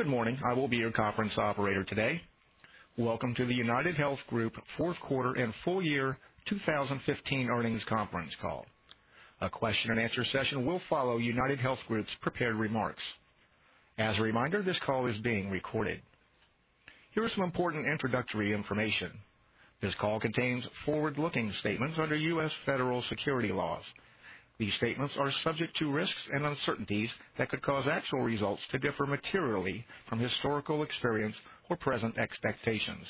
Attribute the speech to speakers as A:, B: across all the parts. A: Good morning. I will be your conference operator today. Welcome to the UnitedHealth Group fourth quarter and full year 2015 earnings conference call. A question and answer session will follow UnitedHealth Group's prepared remarks. As a reminder, this call is being recorded. Here is some important introductory information. This call contains forward-looking statements under U.S. federal securities laws. These statements are subject to risks and uncertainties that could cause actual results to differ materially from historical experience or present expectations.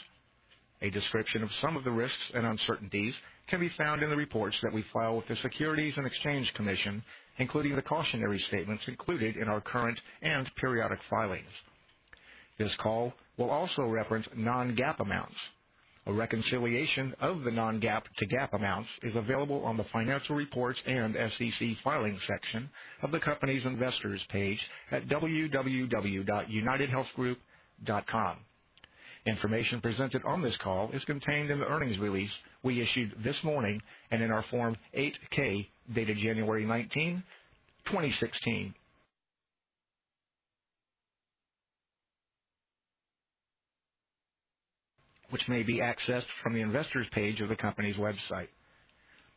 A: A description of some of the risks and uncertainties can be found in the reports that we file with the Securities and Exchange Commission, including the cautionary statements included in our current and periodic filings. This call will also reference non-GAAP amounts. A reconciliation of the non-GAAP to GAAP amounts is available on the Financial Reports and SEC Filings section of the company's investors page at www.unitedhealthgroup.com. Information presented on this call is contained in the earnings release we issued this morning and in our Form 8-K, dated January 19, 2016. Which may be accessed from the investors page of the company's website.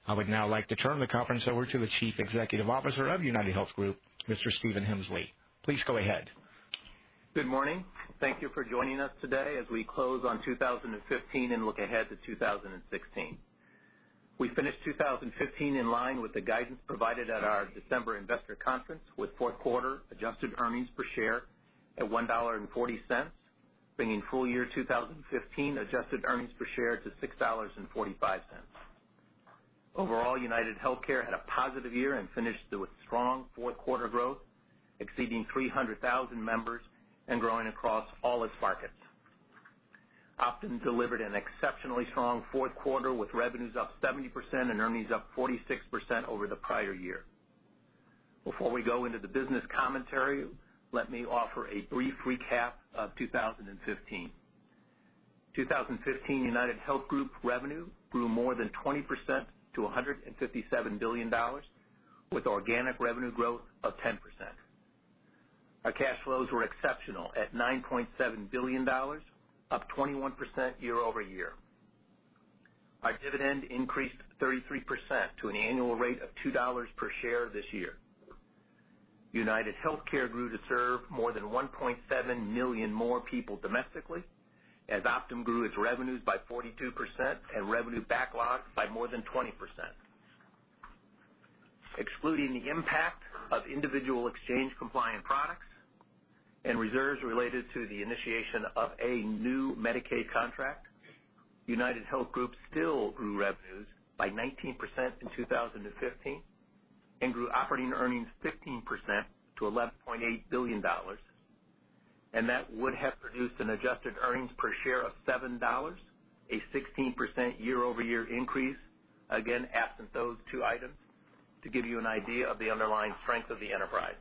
A: I would now like to turn the conference over to the Chief Executive Officer of UnitedHealth Group, Mr. Stephen Hemsley. Please go ahead.
B: Good morning. Thank you for joining us today as we close on 2015 and look ahead to 2016. We finished 2015 in line with the guidance provided at our December investor conference, with fourth quarter adjusted earnings per share at $1.40, bringing full year 2015 adjusted earnings per share to $6.45. Overall, UnitedHealthcare had a positive year and finished with strong fourth-quarter growth, exceeding 300,000 members and growing across all its markets. Optum delivered an exceptionally strong fourth quarter, with revenues up 70% and earnings up 46% over the prior year. Before we go into the business commentary, let me offer a brief recap of 2015. 2015 UnitedHealth Group revenue grew more than 20% to $157 billion, with organic revenue growth of 10%. Our cash flows were exceptional at $9.7 billion, up 21% year-over-year. Our dividend increased 33% to an annual rate of $2 per share this year. UnitedHealthcare grew to serve more than 1.7 million more people domestically, as Optum grew its revenues by 42% and revenue backlog by more than 20%. Excluding the impact of individual exchange-compliant products and reserves related to the initiation of a new Medicaid contract, UnitedHealth Group still grew revenues by 19% in 2015 and grew operating earnings 15% to $11.8 billion. That would have produced an adjusted earnings per share of $7, a 16% year-over-year increase, again, absent those two items, to give you an idea of the underlying strength of the enterprise.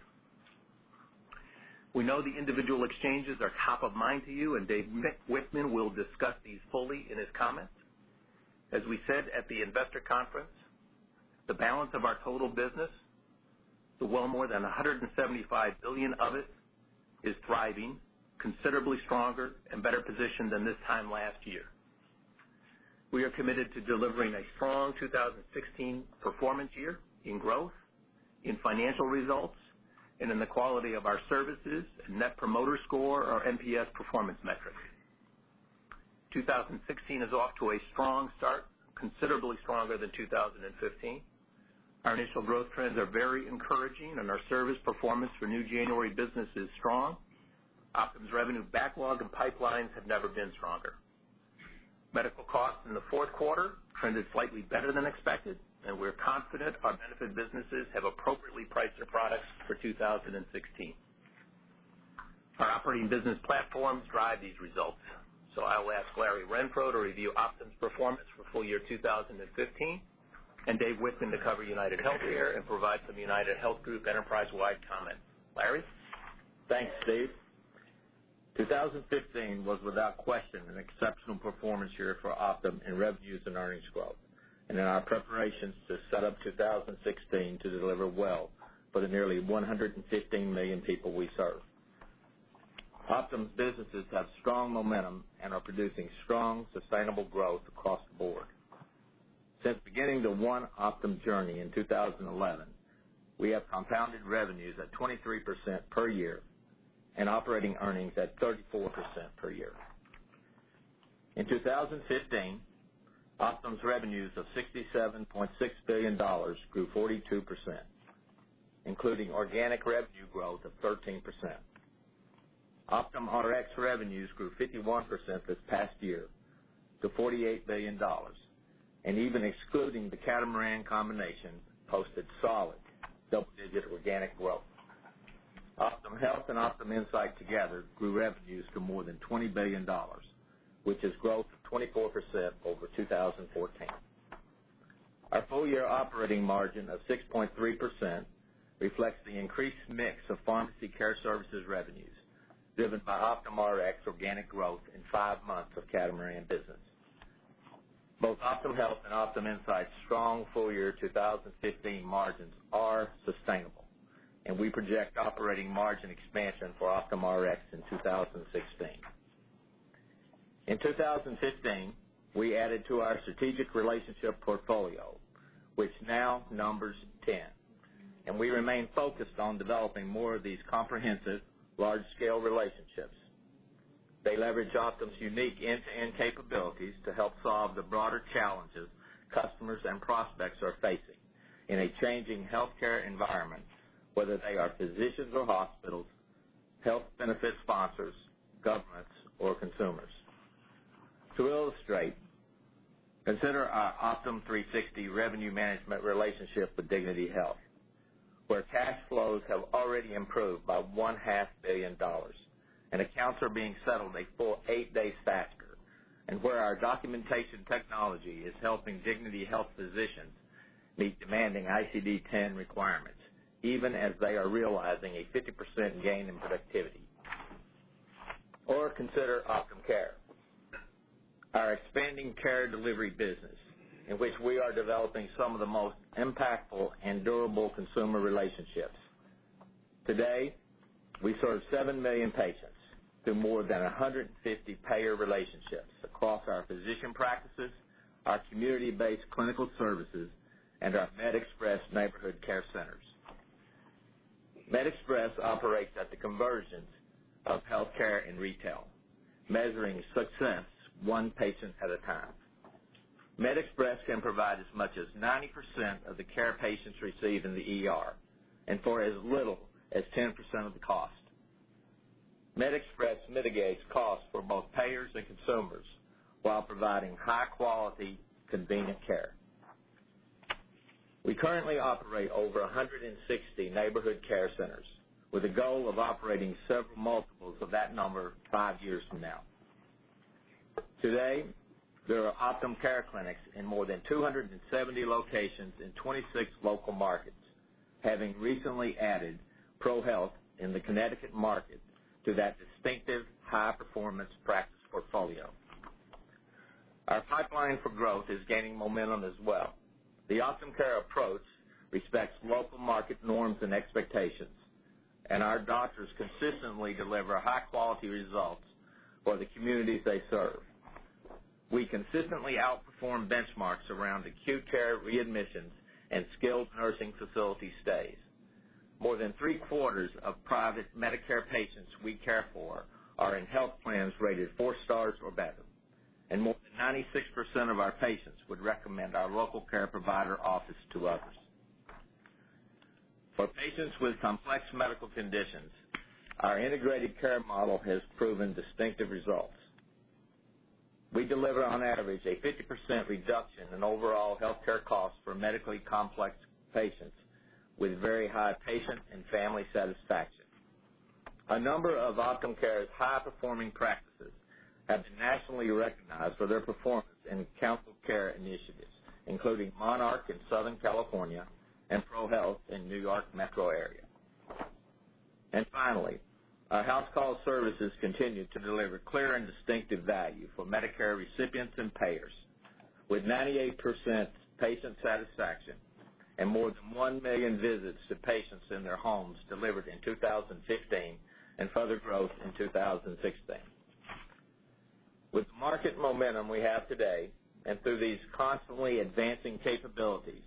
B: We know the individual exchanges are top of mind to you, and Dave Wichmann will discuss these fully in his comments. As we said at the investor conference, the balance of our total business, the well more than $175 billion of it, is thriving, considerably stronger and better positioned than this time last year. We are committed to delivering a strong 2016 performance year in growth, in financial results, and in the quality of our services and Net Promoter Score, or NPS performance metrics. 2016 is off to a strong start, considerably stronger than 2015. Our initial growth trends are very encouraging and our service performance for new January business is strong. Optum's revenue backlog and pipelines have never been stronger. Medical costs in the fourth quarter trended slightly better than expected, and we're confident our benefit businesses have appropriately priced their products for 2016. I will ask Larry Renfro to review Optum's performance for full year 2015 and Dave Wichmann to cover UnitedHealthcare and provide some UnitedHealth Group enterprise-wide comment. Larry?
C: Thanks, Dave. 2015 was without question an exceptional performance year for Optum in revenues and earnings growth and in our preparations to set up 2016 to deliver well for the nearly 115 million people we serve. Optum's businesses have strong momentum and are producing strong, sustainable growth across the board. Since beginning the One Optum journey in 2011, we have compounded revenues at 23% per year and operating earnings at 34% per year. In 2015, Optum's revenues of $67.6 billion grew 42%, including organic revenue growth of 13%. OptumRx revenues grew 51% this past year to $48 billion and even excluding the Catamaran combination, posted solid double-digit organic growth. Optum Health and Optum Insight together grew revenues to more than $20 billion, which is growth of 24% over 2014. Our full-year operating margin of 6.3% reflects the increased mix of pharmacy care services revenues driven by OptumRx organic growth in five months of Catamaran business. Both Optum Health and Optum Insight's strong full year 2015 margins are sustainable, and we project operating margin expansion for OptumRx in 2016. In 2015, we added to our strategic relationship portfolio, which now numbers 10, and we remain focused on developing more of these comprehensive large-scale relationships. They leverage Optum's unique end-to-end capabilities to help solve the broader challenges customers and prospects are facing in a changing healthcare environment, whether they are physicians or hospitals, health benefit sponsors, governments, or consumers. To illustrate, consider our Optum360 revenue management relationship with Dignity Health, where cash flows have already improved by $1.5 billion, and accounts are being settled a full eight days faster, and where our documentation technology is helping Dignity Health physicians meet demanding ICD-10 requirements, even as they are realizing a 50% gain in productivity. Consider Optum Care, our expanding care delivery business in which we are developing some of the most impactful and durable consumer relationships. Today, we serve seven million patients through more than 150 payer relationships across our physician practices, our community-based clinical services, and our MedExpress neighborhood care centers. MedExpress operates at the convergence of healthcare and retail, measuring success one patient at a time. MedExpress can provide as much as 90% of the care patients receive in the ER, and for as little as 10% of the cost. MedExpress mitigates costs for both payers and consumers while providing high quality, convenient care. We currently operate over 160 neighborhood care centers with a goal of operating several multiples of that number five years from now. Today, there are Optum Care clinics in more than 270 locations in 26 local markets, having recently added ProHealth in the Connecticut market to that distinctive high-performance practice portfolio. Our pipeline for growth is gaining momentum as well. The Optum Care approach respects local market norms and expectations. Our doctors consistently deliver high-quality results for the communities they serve. We consistently outperform benchmarks around acute care readmissions and skilled nursing facility stays. More than three-quarters of private Medicare patients we care for are in health plans rated four stars or better. More than 96% of our patients would recommend our local care provider office to others. For patients with complex medical conditions, our integrated care model has proven distinctive results. We deliver, on average, a 50% reduction in overall healthcare costs for medically complex patients with very high patient and family satisfaction. A number of Optum Care's high-performing practices have been nationally recognized for their performance in accountable care initiatives, including Monarch in Southern California and ProHealth in New York metro area. Finally, our house call services continue to deliver clear and distinctive value for Medicare recipients and payers. With 98% patient satisfaction and more than 1 million visits to patients in their homes delivered in 2015 and further growth in 2016. With the market momentum we have today and through these constantly advancing capabilities,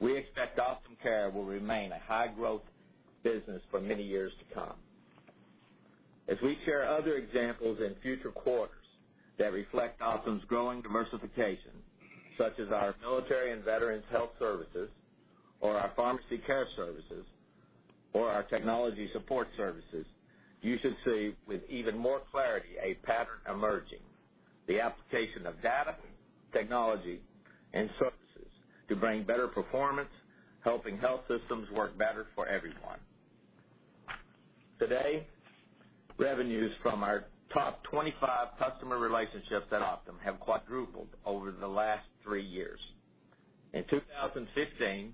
C: we expect Optum Care will remain a high-growth business for many years to come. As we share other examples in future quarters that reflect Optum's growing diversification, such as our military and veterans health services, or our pharmacy care services, or our technology support services, you should see with even more clarity a pattern emerging. The application of data, technology, and services to bring better performance, helping health systems work better for everyone. Today, revenues from our top 25 customer relationships at Optum have quadrupled over the last three years. In 2015,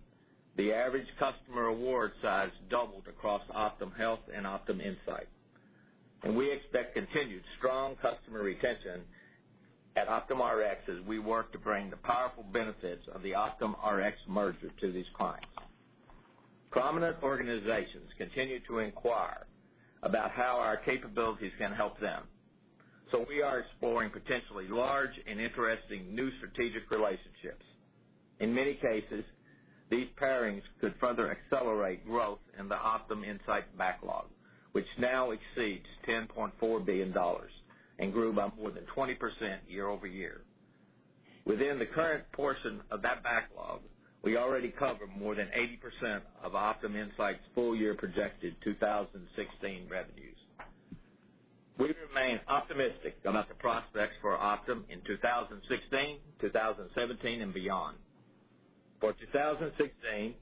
C: the average customer award size doubled across Optum Health and Optum Insight. We expect continued strong customer retention at OptumRx as we work to bring the powerful benefits of the OptumRx merger to these clients. Prominent organizations continue to inquire about how our capabilities can help them. We are exploring potentially large and interesting new strategic relationships. In many cases, these pairings could further accelerate growth in the Optum Insight backlog, which now exceeds $10.4 billion and grew by more than 20% year-over-year. Within the current portion of that backlog, we already cover more than 80% of Optum Insight's full year projected 2016 revenues. We remain optimistic about the prospects for Optum in 2016, 2017, and beyond. For 2016,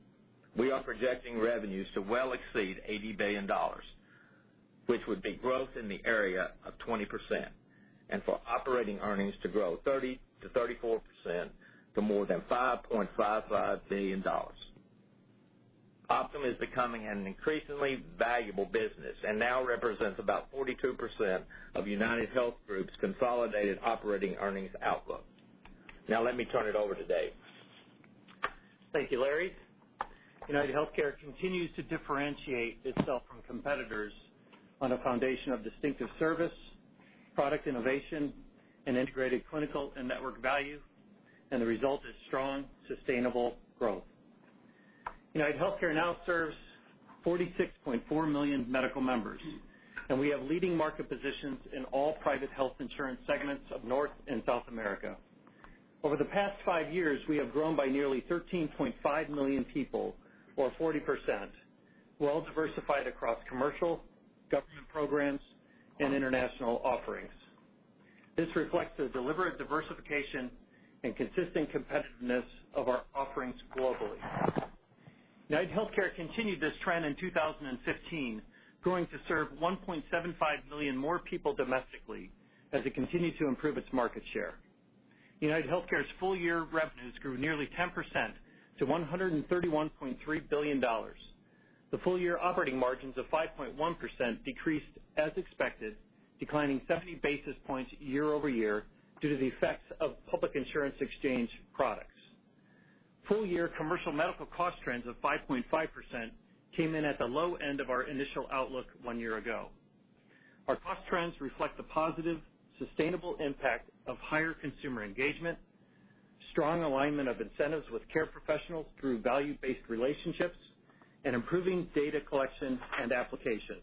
C: we are projecting revenues to well exceed $80 billion, which would be growth in the area of 20%, and for operating earnings to grow 30%-34% to more than $5.55 billion. Optum is becoming an increasingly valuable business and now represents about 42% of UnitedHealth Group's consolidated operating earnings outlook. Now let me turn it over to Dave.
D: Thank you, Larry. UnitedHealthcare continues to differentiate itself from competitors on a foundation of distinctive service, product innovation, and integrated clinical and network value, and the result is strong, sustainable growth. UnitedHealthcare now serves 46.4 million medical members, and we have leading market positions in all private health insurance segments of North and South America. Over the past five years, we have grown by nearly 13.5 million people, or 40%, well diversified across commercial, government programs, and international offerings. This reflects the deliberate diversification and consistent competitiveness of our offerings globally. UnitedHealthcare continued this trend in 2015, growing to serve 1.75 million more people domestically as it continued to improve its market share. UnitedHealthcare's full year revenues grew nearly 10% to $131.3 billion. The full-year operating margins of 5.1% decreased as expected, declining 70 basis points year-over-year due to the effects of public insurance exchange products. Full-year commercial medical cost trends of 5.5% came in at the low end of our initial outlook one year ago. Our cost trends reflect the positive, sustainable impact of higher consumer engagement, strong alignment of incentives with care professionals through value-based relationships, and improving data collection and application.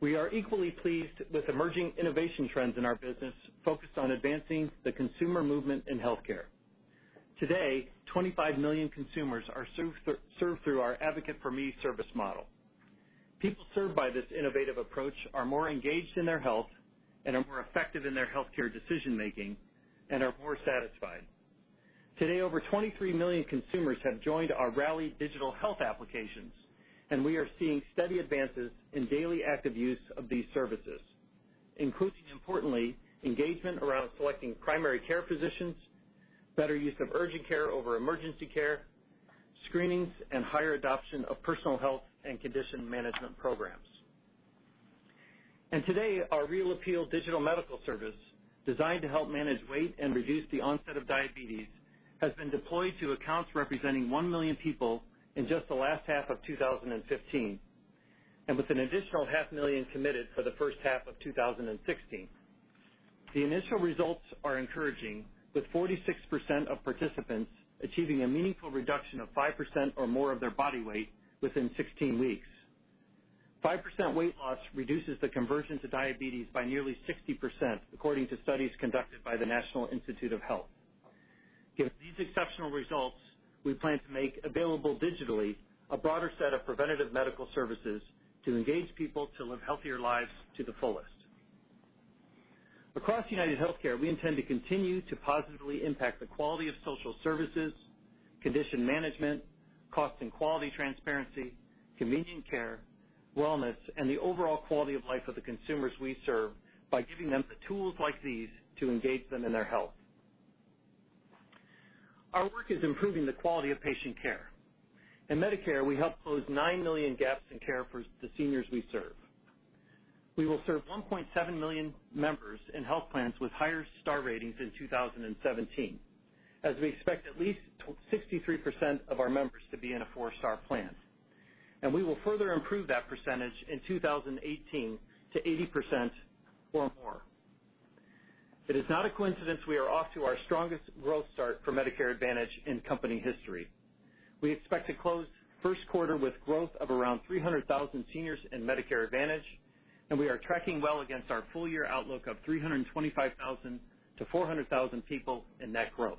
D: We are equally pleased with emerging innovation trends in our business focused on advancing the consumer movement in healthcare. Today, 25 million consumers are served through our Advocate4Me service model. People served by this innovative approach are more engaged in their health and are more effective in their healthcare decision-making and are more satisfied. Today, over 23 million consumers have joined our Rally digital health applications, and we are seeing steady advances in daily active use of these services, including, importantly, engagement around selecting primary care physicians, better use of urgent care over emergency care, screenings, and higher adoption of personal health and condition management programs. Today, our Real Appeal digital medical service, designed to help manage weight and reduce the onset of diabetes, has been deployed to accounts representing one million people in just the last half of 2015, and with an additional half million committed for the first half of 2016. The initial results are encouraging, with 46% of participants achieving a meaningful reduction of 5% or more of their body weight within 16 weeks. 5% weight loss reduces the conversion to diabetes by nearly 60% according to studies conducted by the National Institutes of Health. Given these exceptional results, we plan to make available digitally a broader set of preventative medical services to engage people to live healthier lives to the fullest. Across UnitedHealthcare, we intend to continue to positively impact the quality of social services, condition management, cost and quality transparency, convenient care, wellness, and the overall quality of life of the consumers we serve by giving them the tools like these to engage them in their health. Our work is improving the quality of patient care. In Medicare, we help close nine million gaps in care for the seniors we serve. We will serve 1.7 million members in health plans with higher star ratings in 2017, as we expect at least 63% of our members to be in a four-star plan. We will further improve that percentage in 2018 to 80% or more. It is not a coincidence we are off to our strongest growth start for Medicare Advantage in company history. We expect to close the first quarter with growth of around 300,000 seniors in Medicare Advantage, and we are tracking well against our full-year outlook of 325,000 to 400,000 people in net growth.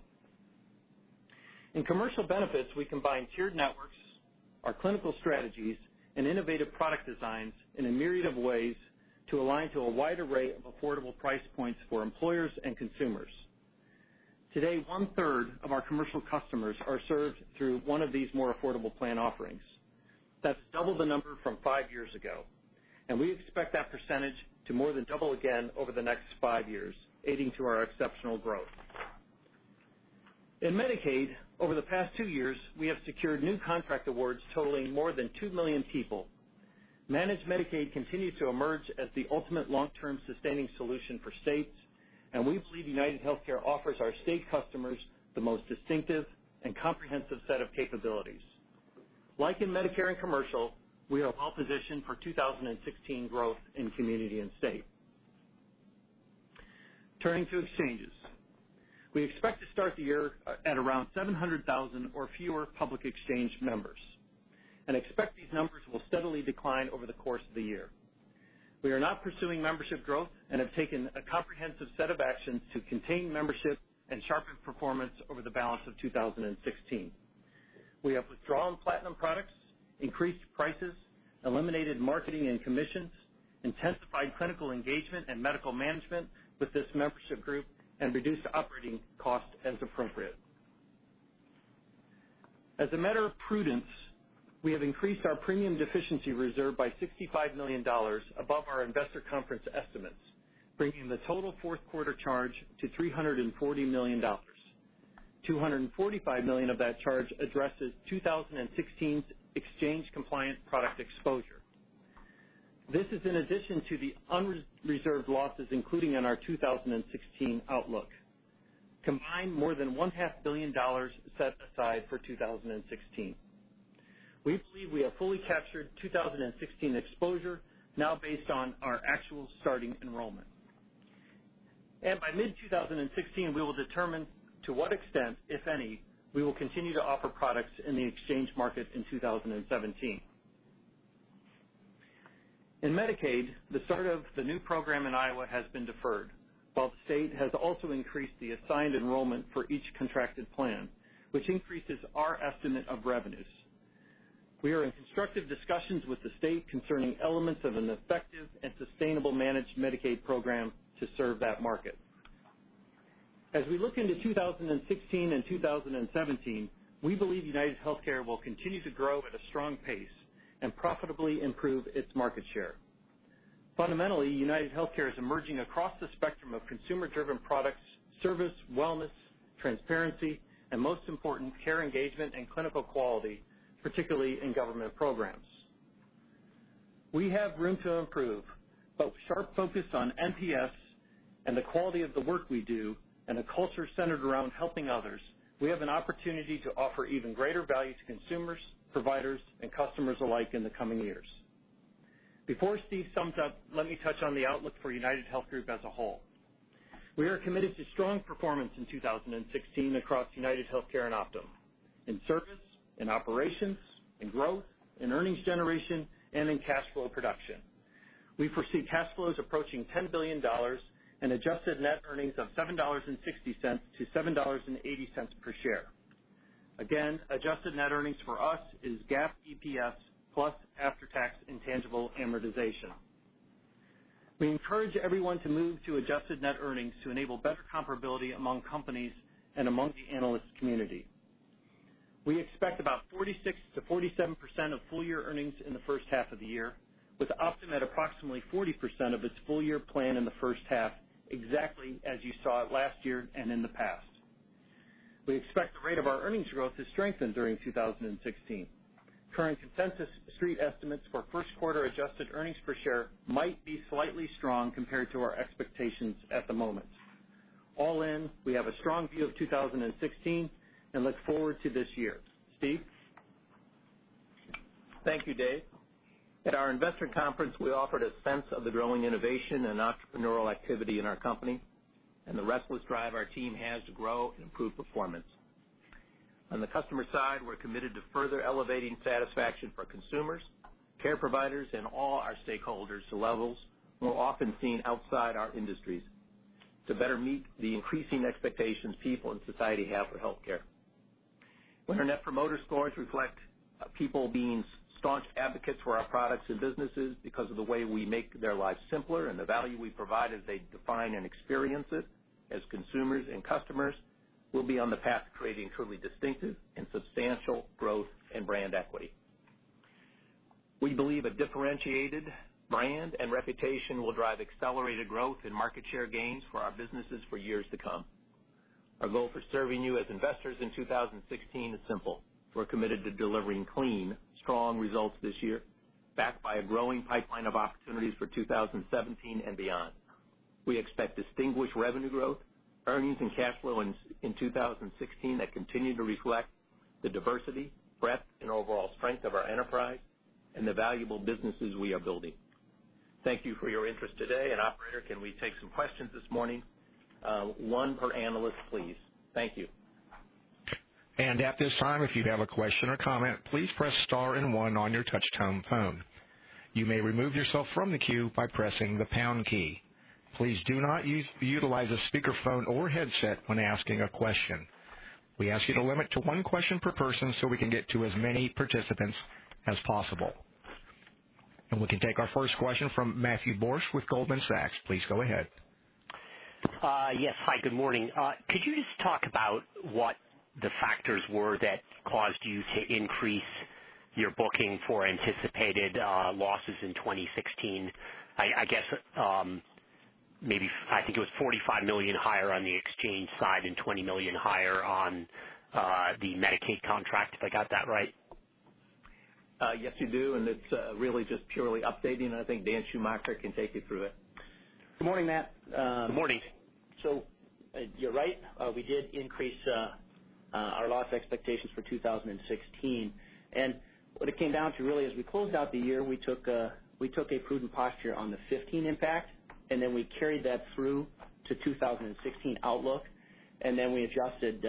D: In commercial benefits, we combine tiered networks, our clinical strategies, and innovative product designs in a myriad of ways to align to a wide array of affordable price points for employers and consumers. Today, one-third of our commercial customers are served through one of these more affordable plan offerings. That's double the number from five years ago, and we expect that percentage to more than double again over the next five years, aiding to our exceptional growth. In Medicaid, over the past 2 years, we have secured new contract awards totaling more than 2 million people. Managed Medicaid continues to emerge as the ultimate long-term sustaining solution for states, and we believe UnitedHealthcare offers our state customers the most distinctive and comprehensive set of capabilities. Like in Medicare and commercial, we are well-positioned for 2016 growth in community and state. Turning to exchanges. We expect to start the year at around 700,000 or fewer public exchange members and expect these numbers will steadily decline over the course of the year. We are not pursuing membership growth and have taken a comprehensive set of actions to contain membership and sharpen performance over the balance of 2016. We have withdrawn platinum products, increased prices, eliminated marketing and commissions, intensified clinical engagement and medical management with this membership group, and reduced operating costs as appropriate. As a matter of prudence, we have increased our premium deficiency reserve by $55 million above our investor conference estimates. Bringing the total fourth quarter charge to $340 million. $245 million of that charge addresses 2016's exchange compliance product exposure. This is in addition to the unreserved losses including in our 2016 outlook. Combined, more than one-half billion dollars set aside for 2016. We believe we have fully captured 2016 exposure now based on our actual starting enrollment. By mid-2016, we will determine to what extent, if any, we will continue to offer products in the exchange market in 2017. In Medicaid, the start of the new program in Iowa has been deferred, while the state has also increased the assigned enrollment for each contracted plan, which increases our estimate of revenues. We are in constructive discussions with the state concerning elements of an effective and sustainable managed Medicaid program to serve that market. As we look into 2016 and 2017, we believe UnitedHealthcare will continue to grow at a strong pace and profitably improve its market share. Fundamentally, UnitedHealthcare is emerging across the spectrum of consumer-driven products, service, wellness, transparency, and most important, care engagement and clinical quality, particularly in government programs. We have room to improve, but with sharp focus on NPS and the quality of the work we do and a culture centered around helping others, we have an opportunity to offer even greater value to consumers, providers, and customers alike in the coming years. Before Steve sums up, let me touch on the outlook for UnitedHealth Group as a whole. We are committed to strong performance in 2016 across UnitedHealthcare and Optum in service, in operations, in growth, in earnings generation, and in cash flow production. We foresee cash flows approaching $10 billion and adjusted net earnings of $7.60 to $7.80 per share. Again, adjusted net earnings for us is GAAP EPS plus after-tax intangible amortization. We encourage everyone to move to adjusted net earnings to enable better comparability among companies and among the analyst community. We expect about 46%-47% of full-year earnings in the first half of the year, with Optum at approximately 40% of its full-year plan in the first half, exactly as you saw it last year and in the past. We expect the rate of our earnings growth to strengthen during 2016. Current consensus street estimates for first quarter adjusted earnings per share might be slightly strong compared to our expectations at the moment. All in, we have a strong view of 2016 and look forward to this year. Steve?
B: Thank you, Dave. At our investor conference, we offered a sense of the growing innovation and entrepreneurial activity in our company and the restless drive our team has to grow and improve performance. On the customer side, we're committed to further elevating satisfaction for consumers, care providers, and all our stakeholders to levels more often seen outside our industries to better meet the increasing expectations people and society have for healthcare. When our Net Promoter Scores reflect people being staunch advocates for our products and businesses because of the way we make their lives simpler and the value we provide as they define and experience it as consumers and customers, we'll be on the path to creating truly distinctive and substantial growth and brand equity. We believe a differentiated brand and reputation will drive accelerated growth and market share gains for our businesses for years to come. Our goal for serving you as investors in 2016 is simple: We're committed to delivering clean, strong results this year, backed by a growing pipeline of opportunities for 2017 and beyond. We expect distinguished revenue growth, earnings, and cash flow in 2016 that continue to reflect the diversity, breadth, and overall strength of our enterprise and the valuable businesses we are building. Thank you for your interest today, operator, can we take some questions this morning? One per analyst, please. Thank you.
A: At this time, if you have a question or comment, please press star and one on your touchtone phone. You may remove yourself from the queue by pressing the pound key. Please do not utilize a speakerphone or headset when asking a question. We ask you to limit to one question per person so we can get to as many participants as possible. We can take our first question from Matthew Borsch with Goldman Sachs. Please go ahead.
E: Yes. Hi, good morning. Could you just talk about what the factors were that caused you to increase your booking for anticipated losses in 2016? I think it was $45 million higher on the exchange side and $20 million higher on the Medicaid contract, if I got that right.
B: Yes, you do, and it's really just purely updating. I think Dan Schumacher can take you through it.
F: Good morning, Matt.
E: Good morning.
F: You're right. We did increase our loss expectations for 2016. What it came down to really is we closed out the year, we took a prudent posture on the 2015 impact, and then we carried that through to 2016 outlook, and then we adjusted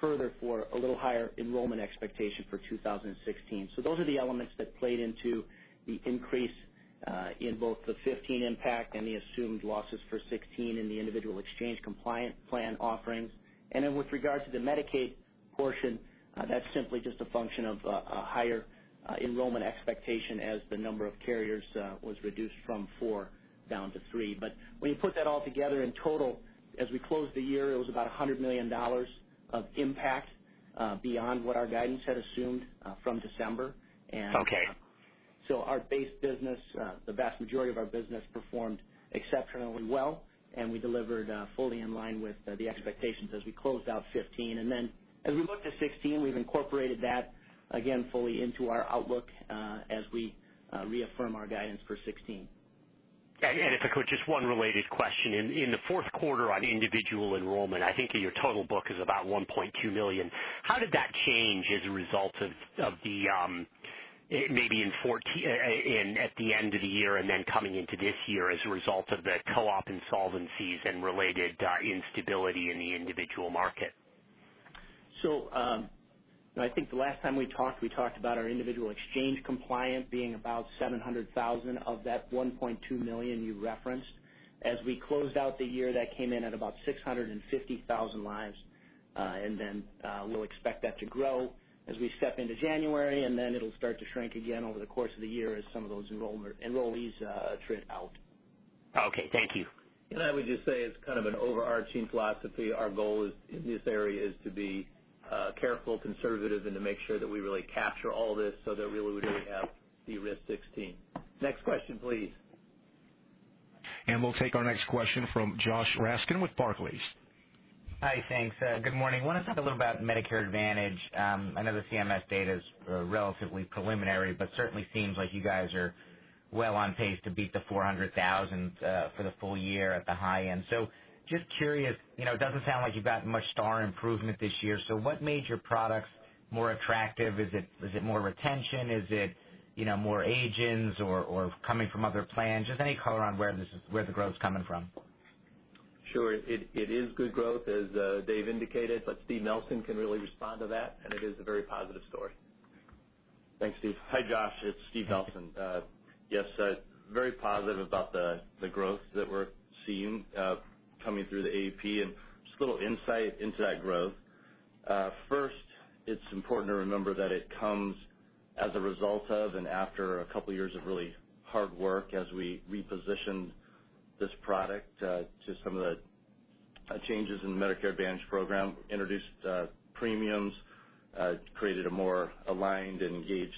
F: further for a little higher enrollment expectation for 2016. Those are the elements that played into the increase in both the 2015 impact and the assumed losses for 2016 in the individual exchange compliance plan offerings. With regard to the Medicaid portion, that's simply just a function of a higher enrollment expectation as the number of carriers was reduced from four down to three. When you put that all together in total, as we closed the year, it was about $100 million of impact beyond what our guidance had assumed from December.
E: Okay.
F: Our base business, the vast majority of our business performed exceptionally well, and we delivered fully in line with the expectations as we closed out 2015. As we look to 2016, we've incorporated that again fully into our outlook, as we reaffirm our guidance for 2016.
E: If I could, just one related question. In the fourth quarter on individual enrollment, I think your total book is about 1.2 million. How did that change as a result of the, maybe at the end of the year and then coming into this year as a result of the co-op insolvencies and related instability in the individual market?
F: I think the last time we talked, we talked about our individual exchange compliant being about 700,000 of that 1.2 million you referenced. As we closed out the year, that came in at about 650,000 lives. We'll expect that to grow as we step into January, and then it'll start to shrink again over the course of the year as some of those enrollees attrit out.
E: Okay. Thank you.
B: I would just say as kind of an overarching philosophy, our goal in this area is to be careful, conservative, and to make sure that we really capture all this so that really we don't have the risk 2016. Next question, please.
A: We'll take our next question from Josh Raskin with Barclays.
G: Hi, thanks. Good morning. I want to talk a little about Medicare Advantage. I know the CMS data's relatively preliminary, but certainly seems like you guys are well on pace to beat the 400,000 for the full year at the high end. Just curious, it doesn't sound like you've gotten much Star improvement this year. What made your products more attractive? Is it more retention? Is it more agents or coming from other plans? Just any color on where the growth's coming from.
B: Sure. It is good growth, as Dave indicated. Steve Nelson can really respond to that, it is a very positive story. Thanks, Steve.
H: Hi, Josh. It's Steve Nelson. Yes, very positive about the growth that we're seeing coming through the AEP, just a little insight into that growth. First, it's important to remember that it comes as a result of and after a couple of years of really hard work as we repositioned this product to some of the changes in the Medicare Advantage program, introduced premiums, created a more aligned and engaged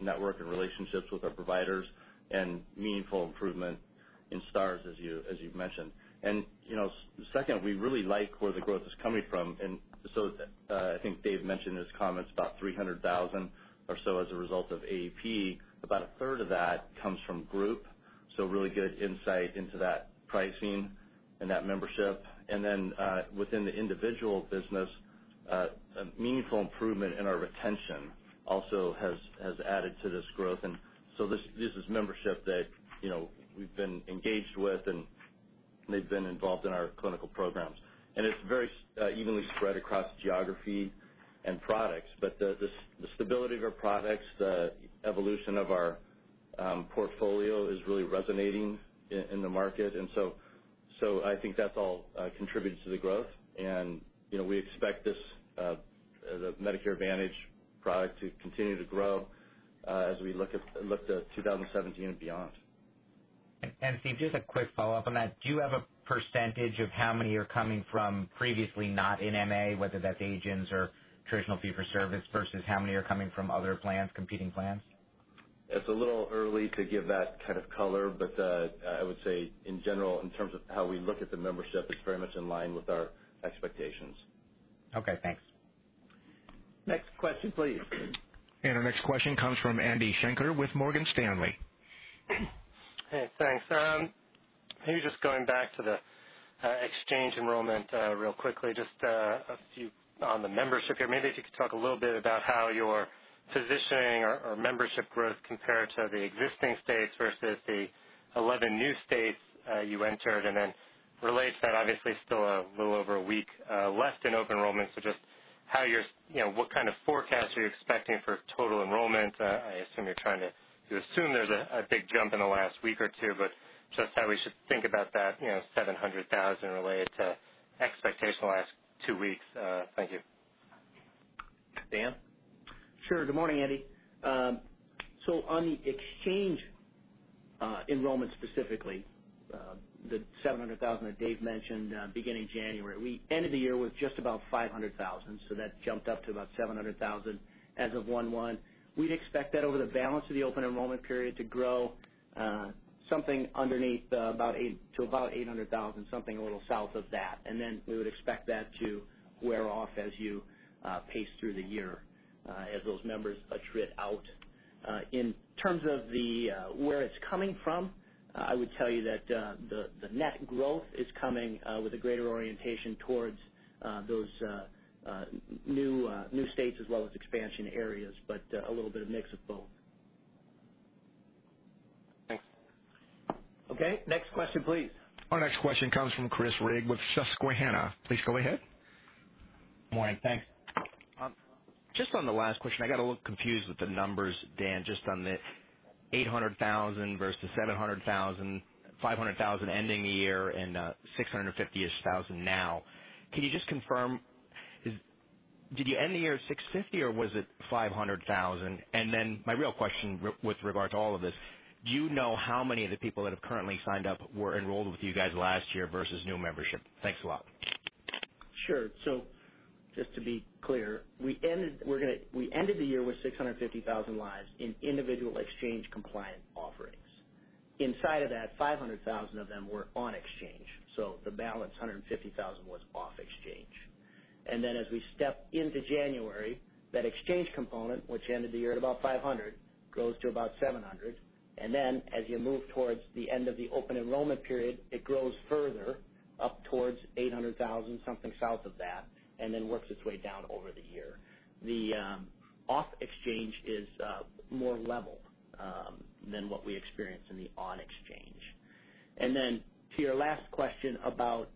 H: network and relationships with our providers, and meaningful improvement in STARS, as you've mentioned. Second, we really like where the growth is coming from. I think Dave mentioned in his comments about 300,000 or so as a result of AEP. About a third of that comes from group, so really good insight into that pricing and that membership. Within the individual business, a meaningful improvement in our retention also has added to this growth. This is membership that we've been engaged with, and they've been involved in our clinical programs. It's very evenly spread across geography and products. The stability of our products, the evolution of our portfolio is really resonating in the market. I think that's all contributed to the growth. We expect the Medicare Advantage product to continue to grow as we look to 2017 and beyond.
G: Steve, just a quick follow-up on that. Do you have a % of how many are coming from previously not in MA, whether that's agents or traditional fee for service, versus how many are coming from other plans, competing plans?
H: It's a little early to give that kind of color. I would say in general, in terms of how we look at the membership, it's very much in line with our expectations.
G: Okay, thanks.
B: Next question, please.
A: Our next question comes from Andrew Schenker with Morgan Stanley.
I: Hey, thanks. Just going back to the exchange enrollment real quickly, just a few on the membership here. If you could talk a little bit about how your positioning or membership growth compared to the existing states versus the 11 new states you entered, and then relate to that, obviously still a little over a week left in open enrollment. Just what kind of forecast are you expecting for total enrollment? I assume there's a big jump in the last week or two, but just how we should think about that 700,000 related to expectation the last two weeks. Thank you.
B: Dan?
F: Sure. Good morning, Andy. On the exchange enrollment specifically, the 700,000 that Dave mentioned beginning January. We ended the year with just about 500,000, that jumped up to about 700,000 as of 1/1. We would expect that over the balance of the open enrollment period to grow something underneath to about 800,000, something a little south of that. We would expect that to wear off as you pace through the year as those members attrit out. In terms of where it's coming from, I would tell you that the net growth is coming with a greater orientation towards those new states as well as expansion areas, but a little bit of mix of both.
I: Thanks.
B: Next question, please.
A: Our next question comes from Chris Rigg with Susquehanna. Please go ahead.
J: Morning. Thanks. Just on the last question, I got a little confused with the numbers, Dan, just on the 800,000 versus 700,000. 500,000 ending the year and 650-ish thousand now. Can you just confirm, did you end the year at 650, or was it 500,000? Then my real question with regard to all of this, do you know how many of the people that have currently signed up were enrolled with you guys last year versus new membership? Thanks a lot.
F: Sure. Just to be clear, we ended the year with 650,000 lives in individual exchange-compliant offerings. Inside of that, 500,000 of them were on exchange, the balance, 150,000, was off exchange. As we step into January, that exchange component, which ended the year at about 500, grows to about 700. As you move towards the end of the open enrollment period, it grows further up towards 800,000, something south of that, then works its way down over the year. The off exchange is more level than what we experience in the on exchange. To your last question about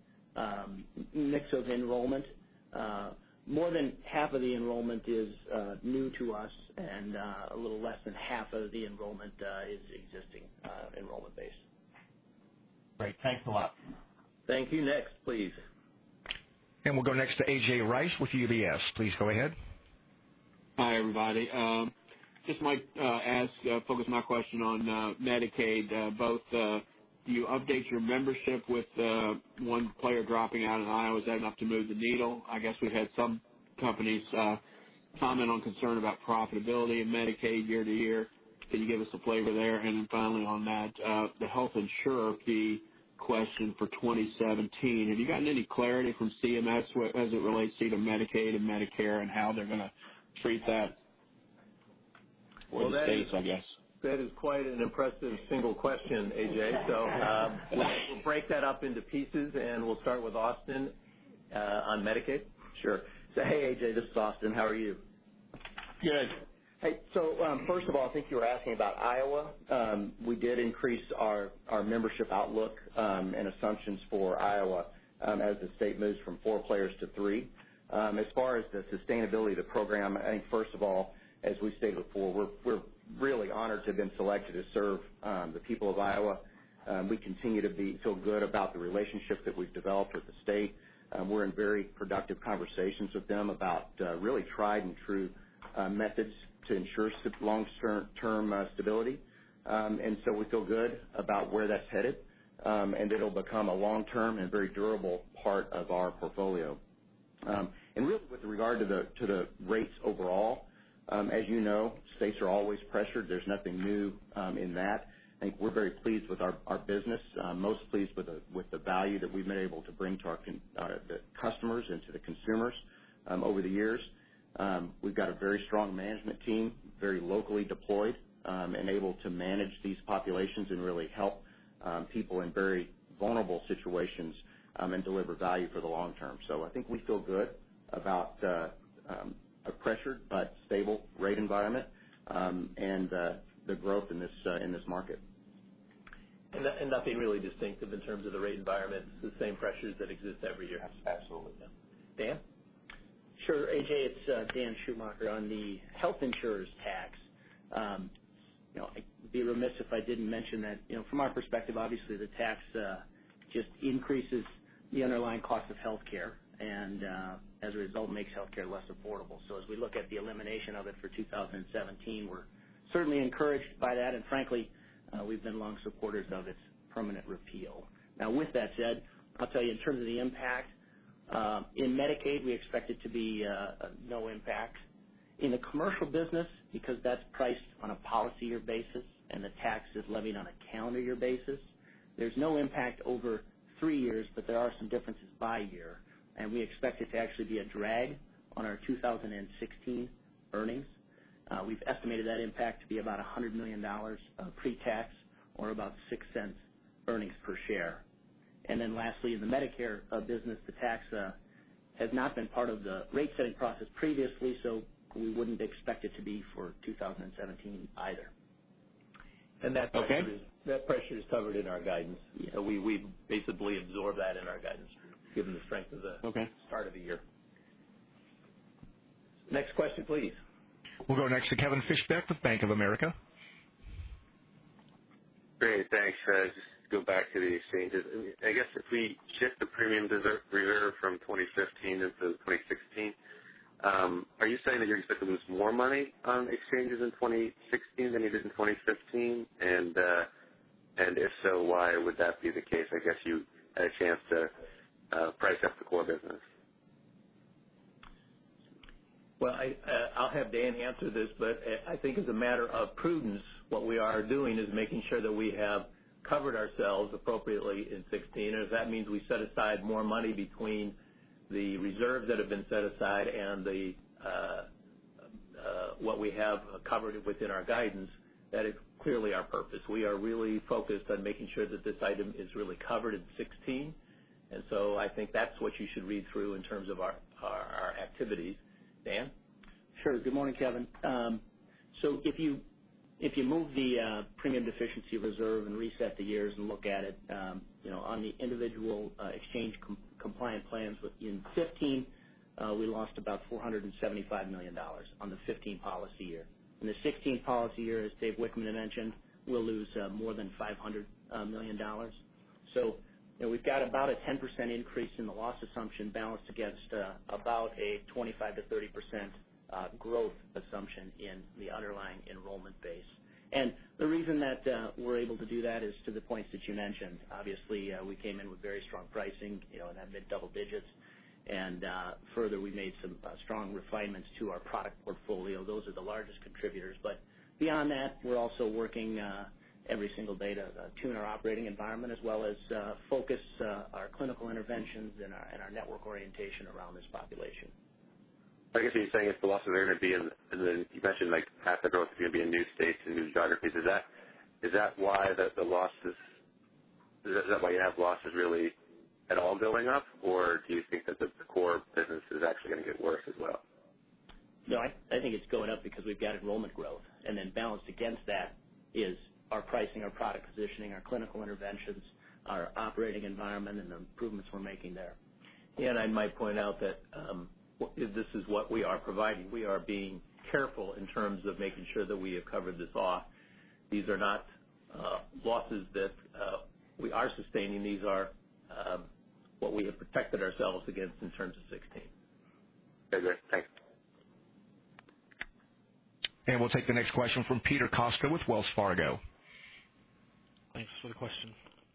F: mix of enrollment, more than half of the enrollment is new to us and a little less than half of the enrollment is existing enrollment base.
J: Great. Thanks a lot.
B: Thank you. Next, please.
A: We'll go next to A.J. Rice with UBS. Please go ahead.
K: Hi, everybody. I'll focus my question on Medicaid. You update your membership with one player dropping out in Iowa. Is that enough to move the needle? I guess we've had some companies comment on concern about profitability in Medicaid year-to-year. Can you give us a flavor there? Finally on that, the health insurer fee question for 2017. Have you gotten any clarity from CMS as it relates to either Medicaid and Medicare and how they're going to treat that for the states, I guess?
B: That is quite an impressive single question, A.J. We'll break that up into pieces, and we'll start with Austin on Medicaid.
L: Sure. Hey, A.J., this is Austin. How are you?
K: Good.
L: Hey, first of all, I think you were asking about Iowa. We did increase our membership outlook, and assumptions for Iowa, as the state moves from four players to three. As far as the sustainability of the program, I think first of all, as we've stated before, we're really honored to have been selected to serve the people of Iowa. We continue to feel good about the relationship that we've developed with the state. We're in very productive conversations with them about really tried and true methods to ensure long-term stability. We feel good about where that's headed. It'll become a long-term and very durable part of our portfolio. Really with regard to the rates overall, as you know, states are always pressured. There's nothing new in that. I think we're very pleased with our business, most pleased with the value that we've been able to bring to the customers and to the consumers over the years. We've got a very strong management team, very locally deployed, and able to manage these populations and really help people in very vulnerable situations, and deliver value for the long term. I think we feel good about a pressured but stable rate environment, and the growth in this market.
B: Nothing really distinctive in terms of the rate environment, the same pressures that exist every year.
L: Absolutely. Yeah. Dan?
F: Sure, A.J., it's Dan Schumacher. On the health insurers tax, I'd be remiss if I didn't mention that from our perspective, obviously the tax just increases the underlying cost of healthcare and, as a result, makes healthcare less affordable. As we look at the elimination of it for 2017, we're certainly encouraged by that. Frankly, we've been long supporters of its permanent repeal. With that said, I'll tell you in terms of the impact, in Medicaid, we expect it to be no impact. In the commercial business, because that's priced on a policy year basis and the tax is levied on a calendar year basis, there's no impact over three years, but there are some differences by year, and we expect it to actually be a drag on our 2016 earnings. We've estimated that impact to be about $100 million pre-tax or about $0.06 earnings per share. Lastly, in the Medicare business, the tax has not been part of the rate-setting process previously, so we wouldn't expect it to be for 2017 either. That pressure is covered in our guidance. We basically absorb that in our guidance given the strength of the start of the year. Okay. Next question, please.
A: We'll go next to Kevin Fischbeck with Bank of America.
M: Great. Thanks. Just to go back to the exchanges. I guess if we shift the premium reserve from 2015 into 2016, are you saying that you're expecting to lose more money on exchanges in 2016 than you did in 2015? If so, why would that be the case? I guess you had a chance to price up the core business.
B: Well, I'll have Dan answer this, but I think as a matter of prudence, what we are doing is making sure that we have covered ourselves appropriately in 2016. If that means we set aside more money between the reserves that have been set aside and what we have covered within our guidance, that is clearly our purpose. We are really focused on making sure that this item is really covered in 2016, I think that's what you should read through in terms of our activities. Dan?
F: Sure. Good morning, Kevin. If you move the premium deficiency reserve and reset the years and look at it, on the individual exchange compliant plans in 2015, we lost about $475 million on the 2015 policy year. In the 2016 policy year, as Dave Wichmann had mentioned, we'll lose more than $500 million. We've got about a 10% increase in the loss assumption balanced against about a 25%-30% growth assumption in the underlying enrollment base. The reason that we're able to do that is to the points that you mentioned. Obviously, we came in with very strong pricing in that mid double digits. Further, we made some strong refinements to our product portfolio. Those are the largest contributors. Beyond that, we're also working every single day to tune our operating environment as well as focus our clinical interventions and our network orientation around this population.
M: I guess what you're saying is the loss is going to be in, and then you mentioned half the growth is going to be in new states and new geographies. Is that why you have losses really at all going up? Or do you think that the core business is actually going to get worse as well?
F: No, I think it's going up because we've got enrollment growth, and then balanced against that is our pricing, our product positioning, our clinical interventions, our operating environment, and the improvements we're making there.
B: I might point out that this is what we are providing. We are being careful in terms of making sure that we have covered this off. These are not losses that we are sustaining. These are what we have protected ourselves against in terms of 2016.
M: Very good. Thanks.
A: We'll take the next question from Peter Costa with Wells Fargo.
N: Thanks for the question.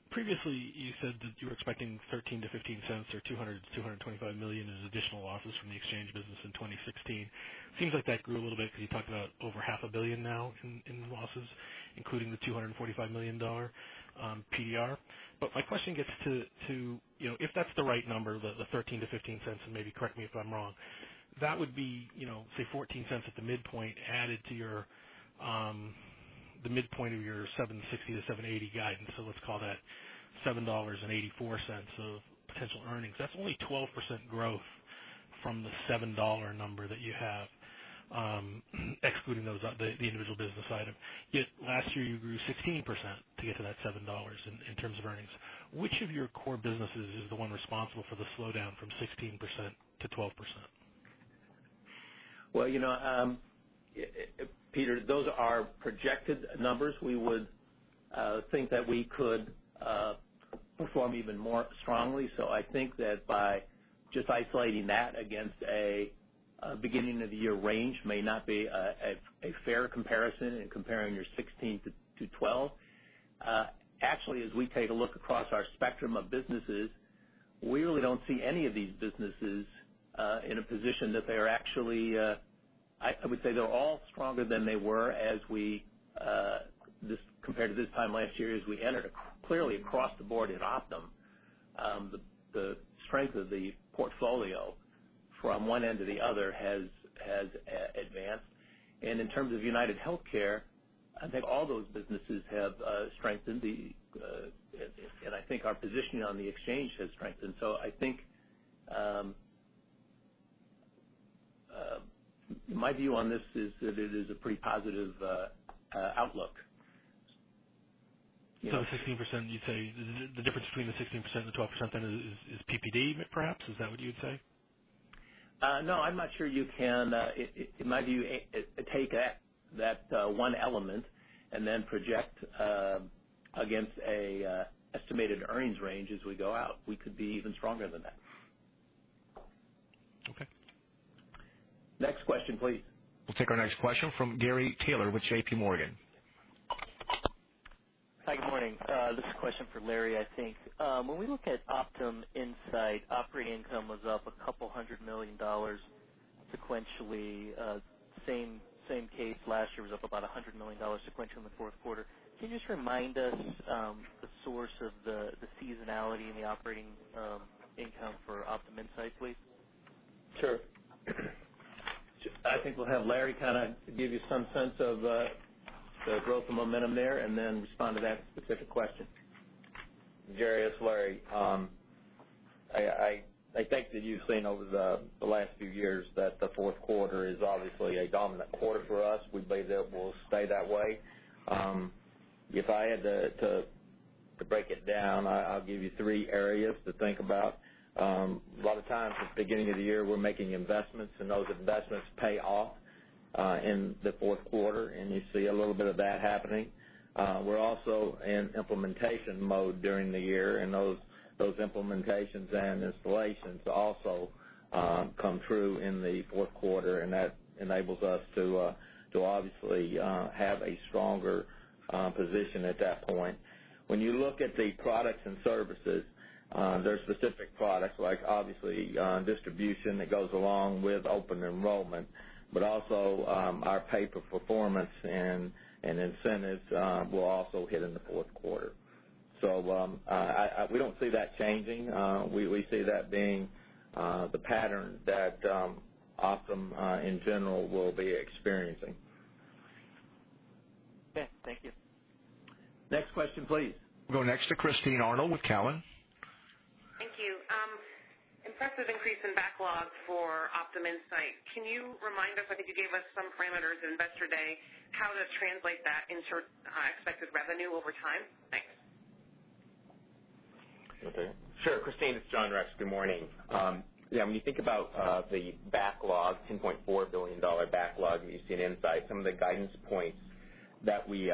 N: Previously, you said that you were expecting $0.13 to $0.15 or $200 million-$225 million in additional losses from the exchange business in 2016. Seems like that grew a little bit, because you talked about over half a billion now in losses, including the $245 million PDR. My question gets to, if that's the right number, the $0.13 to $0.15, and maybe correct me if I'm wrong, that would be say $0.14 at the midpoint added to the midpoint of your $7.60-$7.80 guidance. Let's call that $7.84 of potential earnings. That's only 12% growth from the $7 number that you have, excluding the individual business item. Yet last year you grew 16% to get to that $7 in terms of earnings. Which of your core businesses is the one responsible for the slowdown from 16%-12%?
B: Peter, those are projected numbers. We would think that we could perform even more strongly. I think that by just isolating that against a beginning of the year range may not be a fair comparison in comparing your 16%-12%. Actually, as we take a look across our spectrum of businesses, we really don't see any of these businesses in a position that they are I would say they're all stronger than they were compared to this time last year as we entered. Clearly, across the board at Optum, the strength of the portfolio from one end to the other has advanced. In terms of UnitedHealthcare, I think all those businesses have strengthened, and I think our position on the exchange has strengthened. I think my view on this is that it is a pretty positive outlook.
N: The 16%, you'd say the difference between the 16% and the 12% then is PPD perhaps? Is that what you'd say?
B: No, I'm not sure you can, in my view, take that one element and then project against an estimated earnings range as we go out. We could be even stronger than that.
N: Okay.
B: Next question, please.
A: We'll take our next question from Gary Taylor with J.P. Morgan.
O: Hi, good morning. This is a question for Larry, I think. When we look at Optum Insight, operating income was up a couple hundred million dollars sequentially. Same case last year was up about $100 million sequentially in the fourth quarter. Can you just remind us the source of the seasonality in the operating income for Optum Insight, please?
B: Sure. I think we'll have Larry kind of give you some sense of the growth and momentum there, and then respond to that specific question.
C: Gary, it's Larry. I think that you've seen over the last few years that the fourth quarter is obviously a dominant quarter for us. We believe that will stay that way. If I had to break it down, I'll give you three areas to think about. A lot of times, at the beginning of the year, we're making investments, and those investments pay off in the fourth quarter, and you see a little bit of that happening. We're also in implementation mode during the year, and those implementations and installations also come through in the fourth quarter, and that enables us to obviously have a stronger position at that point. When you look at the products and services, there are specific products like obviously distribution that goes along with open enrollment, but also our pay for performance and incentives will also hit in the fourth quarter. We don't see that changing. We see that being the pattern that Optum, in general, will be experiencing.
O: Okay, thank you.
B: Next question, please.
A: We'll go next to Christine Arnold with Cowen.
P: Thank you. Impressive increase in backlog for Optum Insight. Can you remind us, I think you gave us some parameters at Investor Day, how to translate that into expected revenue over time? Thanks.
B: You want that?
Q: Sure, Christine, it's John Rex. Good morning. When you think about the backlog, $10.4 billion backlog that you see in Insight, some of the guidance points that we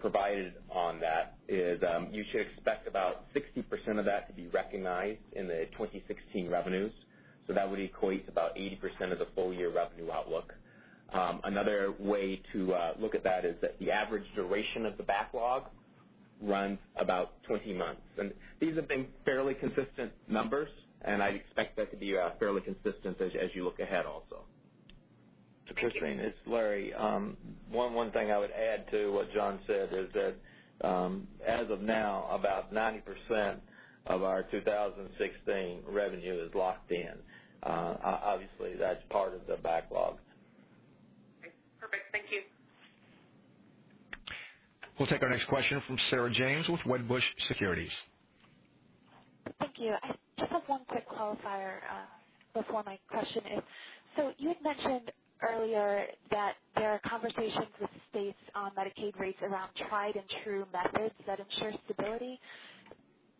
Q: provided on that is you should expect about 60% of that to be recognized in the 2016 revenues. That would equate to about 80% of the full-year revenue outlook. Another way to look at that is that the average duration of the backlog runs about 20 months. These have been fairly consistent numbers, I expect that to be fairly consistent as you look ahead also.
C: Christine, it's Larry. One thing I would add to what John said is that, as of now, about 90% of our 2016 revenue is locked in. Obviously, that's part of the backlog.
P: Okay, perfect. Thank you.
R: We'll take our next question from Sarah James with Wedbush Securities.
S: Thank you. I just have one quick qualifier before my question. You had mentioned earlier that there are conversations with states on Medicaid rates around tried and true methods that ensure stability.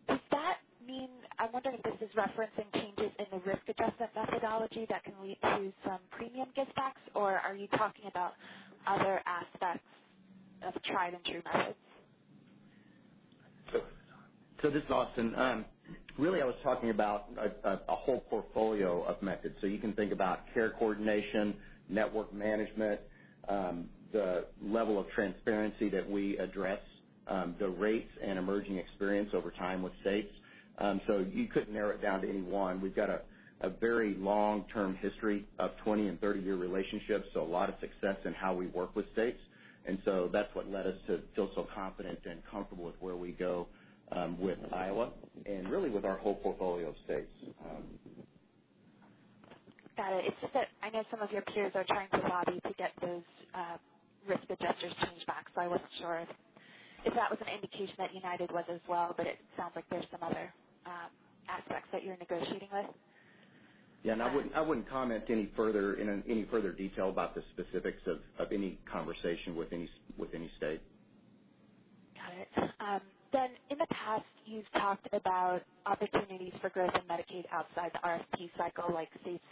S: Does that mean, I wonder if this is referencing changes in the risk adjustment methodology that can lead to some premium give backs, or are you talking about other aspects of tried and true methods?
L: This is Austin. Really, I was talking about a whole portfolio of methods. You can think about care coordination, network management, the level of transparency that we address, the rates and emerging experience over time with states. You couldn't narrow it down to any one. We've got a very long-term history of 20- and 30-year relationships, so a lot of success in how we work with states. That's what led us to feel so confident and comfortable with where we go with Iowa and really with our whole portfolio of states.
S: Got it. It's just that I know some of your peers are trying to lobby to get those risk adjusters changed back. I wasn't sure if that was an indication that United was as well, but it sounds like there's some other aspects that you're negotiating with.
L: I wouldn't comment any further detail about the specifics of any conversation with any state.
S: Got it. In the past, you've talked about opportunities for growth in Medicaid outside the RFP cycle, like states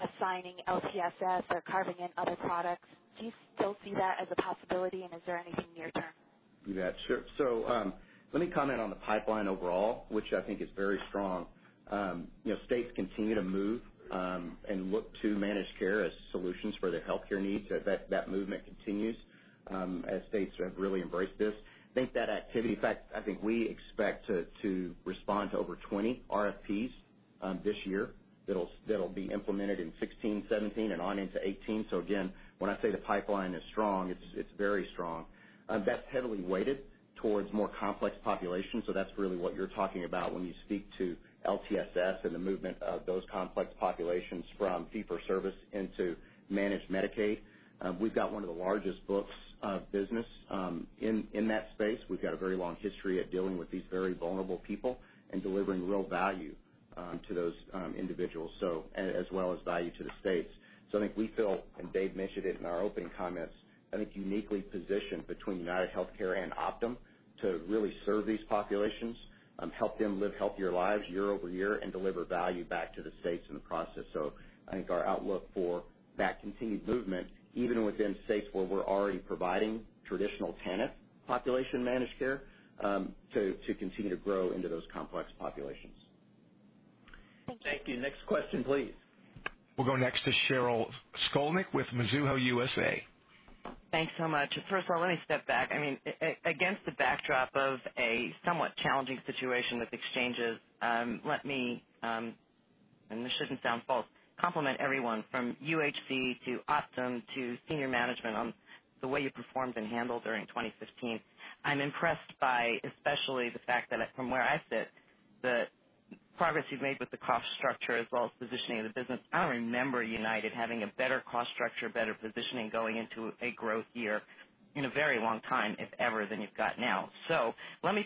S: assigning LTSS or carving in other products. Do you still see that as a possibility, and is there anything near term?
L: Let me comment on the pipeline overall, which I think is very strong. States continue to move and look to managed care as solutions for their healthcare needs. That movement continues as states have really embraced this. I think that activity, in fact I think we expect to respond to over 20 RFPs this year that'll be implemented in 2016, 2017, and on into 2018. Again, when I say the pipeline is strong, it's very strong. That's heavily weighted towards more complex populations, so that's really what you're talking about when you speak to LTSS and the movement of those complex populations from fee for service into managed Medicaid. We've got one of the largest books of business in that space. We've got a very long history of dealing with these very vulnerable people and delivering real value to those individuals, as well as value to the states. I think we feel, and Dave mentioned it in our opening comments, I think uniquely positioned between UnitedHealthcare and Optum to really serve these populations, help them live healthier lives year-over-year, and deliver value back to the states in the process. I think our outlook for that continued movement, even within states where we're already providing traditional TANF population managed care, to continue to grow into those complex populations.
S: Thank you.
R: Thank you. Next question, please. We'll go next to Sheryl Skolnick with Mizuho USA.
T: Thanks so much. First of all, let me step back. Against the backdrop of a somewhat challenging situation with exchanges, let me, and this shouldn't sound false, compliment everyone from UHC to Optum to senior management on the way you performed and handled during 2015. I'm impressed by especially the fact that from where I sit, the progress you've made with the cost structure as well as positioning the business. I don't remember United having a better cost structure, better positioning going into a growth year in a very long time, if ever, than you've got now. Let me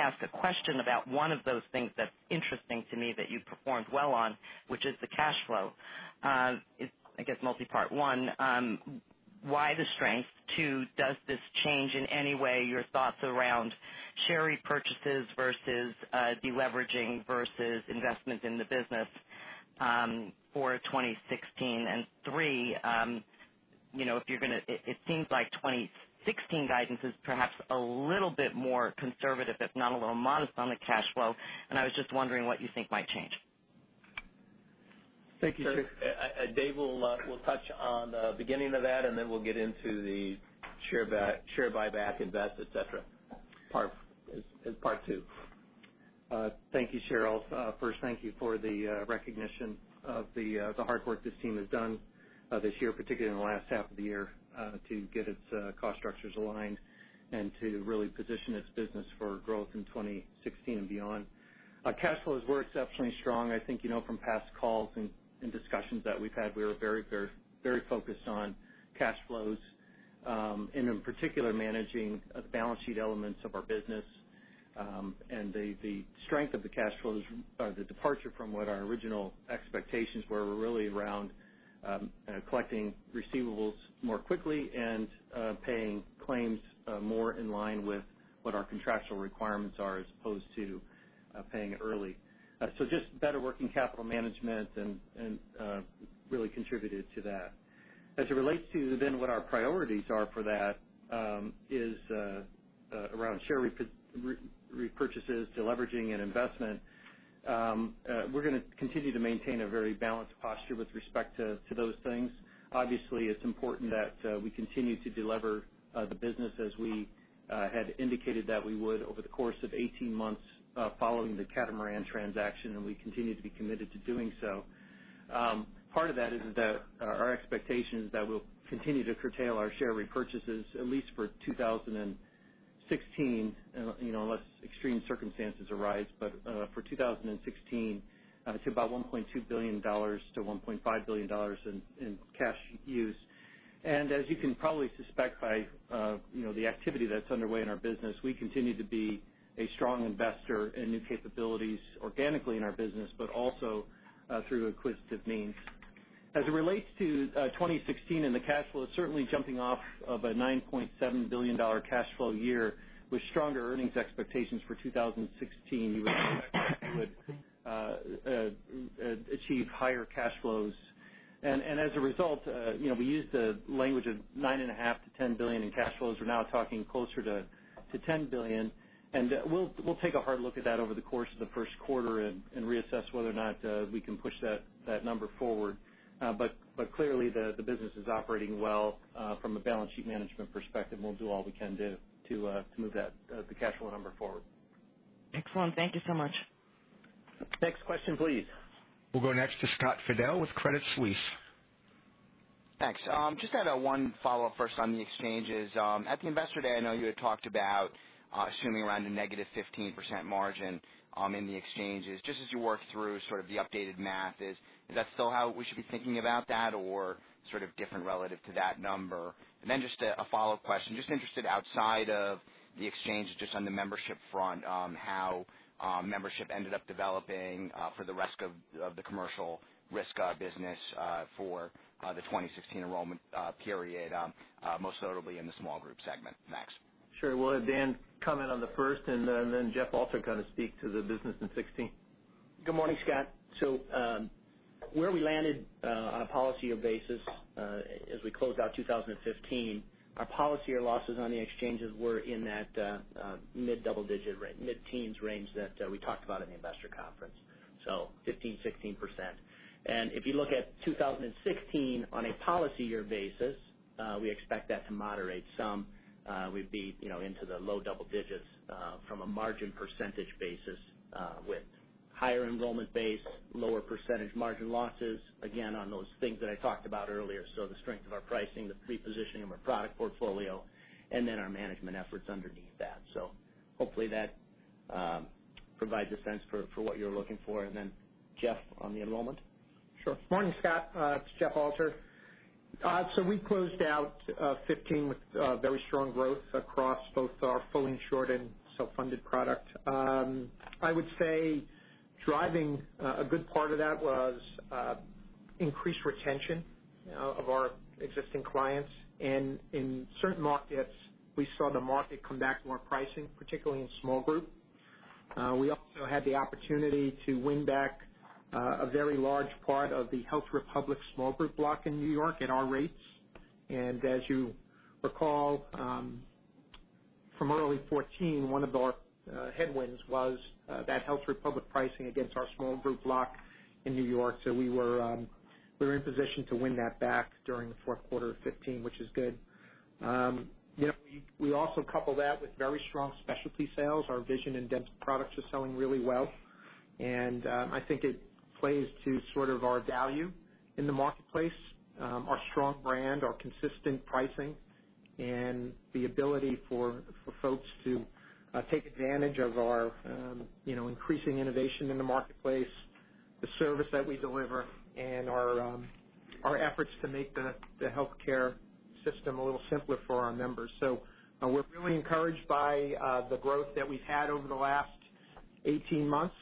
T: ask a question about one of those things that's interesting to me that you performed well on, which is the cash flow. It's multi-part. One, why the strength? Two, does this change in any way your thoughts around share repurchases versus de-leveraging versus investment in the business for 2016? Three, it seems like 2016 guidance is perhaps a little bit more conservative, if not a little modest on the cash flow, and I was just wondering what you think might change.
R: Thank you, Sheryl.
B: Dave will touch on the beginning of that, and then we'll get into the share buyback, invest, et cetera as part two.
D: Thank you, Sheryl. First, thank you for the recognition of the hard work this team has done this year, particularly in the last half of the year, to get its cost structures aligned and to really position its business for growth in 2016 and beyond. Cash flows were exceptionally strong. I think you know from past calls and discussions that we've had, we were very focused on cash flows, and in particular, managing the balance sheet elements of our business. The strength of the cash flows, the departure from what our original expectations were really around collecting receivables more quickly and paying claims more in line with what our contractual requirements are, as opposed to paying it early. Just better working capital management really contributed to that. As it relates to then what our priorities are for that, is around share repurchases, deleveraging, and investment. We're going to continue to maintain a very balanced posture with respect to those things. Obviously, it's important that we continue to delever the business as we had indicated that we would over the course of 18 months following the Catamaran transaction, and we continue to be committed to doing so. Part of that is that our expectation is that we'll continue to curtail our share repurchases, at least for 2016, unless extreme circumstances arise. For 2016, to about $1.2 billion-$1.5 billion in cash use. As you can probably suspect by the activity that's underway in our business, we continue to be a strong investor in new capabilities organically in our business, but also through acquisitive means. As it relates to 2016 and the cash flow, it's certainly jumping off of a $9.7 billion cash flow year with stronger earnings expectations for 2016. You would expect that we would achieve higher cash flows. As a result, we used the language of $9.5 billion-$10 billion in cash flows. We're now talking closer to $10 billion, and we'll take a hard look at that over the course of the first quarter and reassess whether or not we can push that number forward. Clearly, the business is operating well from a balance sheet management perspective, and we'll do all we can to move the cash flow number forward. Excellent. Thank you so much. Next question, please.
A: We'll go next to Scott Fidel with Credit Suisse.
U: Thanks. Just had one follow-up first on the exchanges. At the investor day, I know you had talked about assuming around a negative 15% margin in the exchanges. Just as you work through the updated math, is that still how we should be thinking about that or different relative to that number? Just a follow-up question. Just interested outside of the exchanges, just on the membership front, how membership ended up developing for the rest of the commercial risk business for the 2016 enrollment period, most notably in the small group segment. Thanks.
D: Sure. We'll let Dan comment on the first and then Jeff Alter going to speak to the business in 2016.
F: Good morning, Scott. Where we landed on a policy year basis, as we closed out 2015, our policy year losses on the exchanges were in that mid-double digit, mid-teens range that we talked about in the investor conference. 15%-16%. If you look at 2016 on a policy year basis, we expect that to moderate some. We'd be into the low double digits from a margin percentage basis with higher enrollment base, lower percentage margin losses, again, on those things that I talked about earlier. The strength of our pricing, the repositioning of our product portfolio, and then our management efforts underneath that. Hopefully that provides a sense for what you're looking for. Then Jeff on the enrollment.
V: Sure. Morning, Scott. It's Jeff Alter. We closed out 2015 with very strong growth across both our fully insured and self-funded product. I would say driving a good part of that was increased retention of our existing clients. In certain markets, we saw the market come back to our pricing, particularly in small group. We also had the opportunity to win back a very large part of the Health Republic small group block in New York at our rates. As you recall from early 2014, one of our headwinds was that Health Republic pricing against our small group block in New York. We were in position to win that back during the fourth quarter of 2015, which is good. We also couple that with very strong specialty sales. Our vision and dental products are selling really well, and I think it plays to our value in the marketplace. Our strong brand, our consistent pricing, and the ability for folks to take advantage of our increasing innovation in the marketplace, the service that we deliver, and our efforts to make the healthcare system a little simpler for our members. We're really encouraged by the growth that we've had over the last 18 months.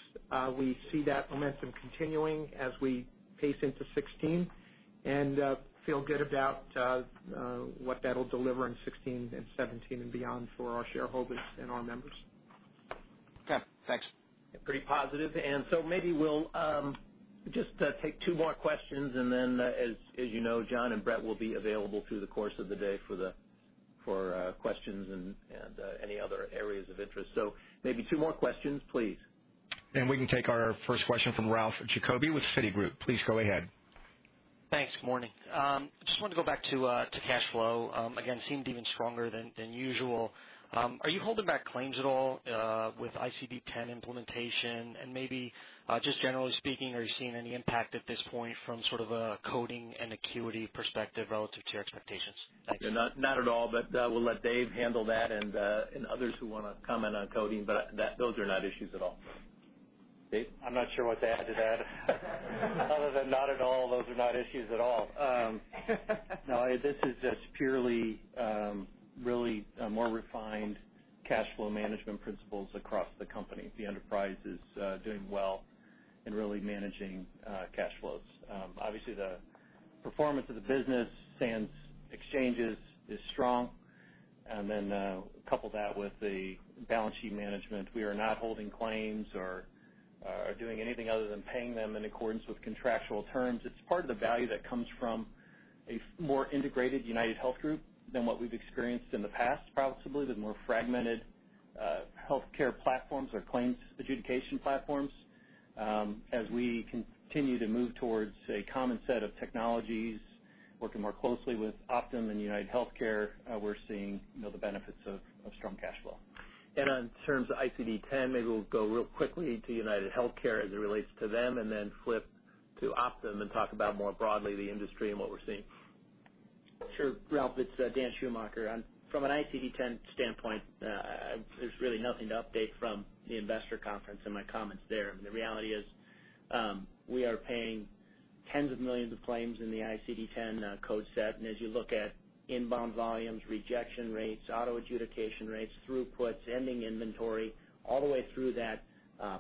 V: We see that momentum continuing as we pace into 2016 and feel good about what that'll deliver in 2016 and 2017 and beyond for our shareholders and our members.
U: Okay. Thanks.
D: Pretty positive. Maybe we'll just take two more questions, then as you know, John and Brett will be available through the course of the day for questions and any other areas of interest. Maybe two more questions, please.
A: We can take our first question from Ralph Jacoby with Citigroup. Please go ahead.
W: Thanks. Good morning. Just wanted to go back to cash flow. Again, seemed even stronger than usual. Are you holding back claims at all with ICD-10 implementation? Maybe just generally speaking, are you seeing any impact at this point from a coding and acuity perspective relative to your expectations? Thank you.
D: Not at all, We'll let Dave handle that and others who want to comment on coding, Those are not issues at all. Dave? I'm not sure what to add to that. Other than not at all, those are not issues at all. This is just purely really a more refined cash flow management principles across the company. The enterprise is doing well in really managing cash flows. Obviously, the performance of the business sans exchanges is strong, Couple that with the balance sheet management. We are not holding claims or doing anything other than paying them in accordance with contractual terms. It's part of the value that comes from a more integrated UnitedHealth Group than what we've experienced in the past, possibly the more fragmented healthcare platforms or claims adjudication platforms. As we continue to move towards a common set of technologies, working more closely with Optum and UnitedHealthcare, we're seeing the benefits of strong cash flow.
B: In terms of ICD10, maybe we'll go real quickly to UnitedHealthcare as it relates to them, Flip to Optum and talk about more broadly the industry and what we're seeing.
F: Sure, Ralph, it's Dan Schumacher. From an ICD10 standpoint, there's really nothing to update from the investor conference in my comments there. The reality is, we are paying tens of millions of claims in the ICD10 code set. As you look at inbound volumes, rejection rates, auto adjudication rates, throughputs, ending inventory, all the way through that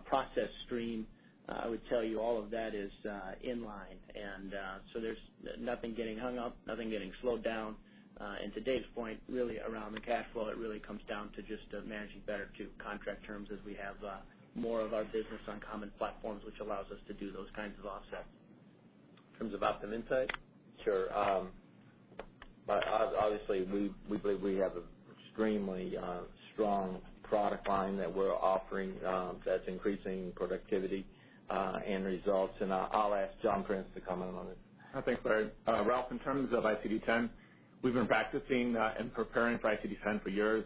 F: process stream, I would tell you all of that is in line. There's nothing getting hung up, nothing getting slowed down. To Dave's point, really around the cash flow, it really comes down to just managing better to contract terms as we have more of our business on common platforms, which allows us to do those kinds of offsets.
B: In terms of Optum Insight?
F: Sure. Obviously, we believe we have an extremely strong product line that we're offering that's increasing productivity and results. I'll ask John Prince to comment on this.
X: Thanks, Larry. Ralph, in terms of ICD10, we've been practicing and preparing for ICD10 for years.